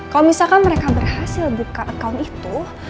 kalau misalkan mereka berhasil buka account itu